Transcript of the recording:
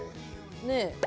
ねえ。